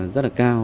rất là cao